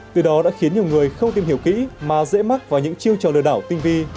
từ đó đã khiến nhiều người không tìm hiểu kỹ mà dễ mắc vào những chiêu trò lừa đảo tinh vi